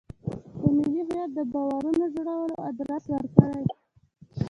په ملي هویت د باورونو جوړولو ادرس ورکړي.